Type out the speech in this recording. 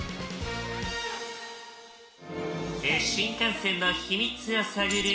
新幹線の秘密を探る